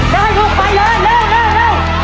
ได้ลูกไปแล้วเร็วเร็วเร็ว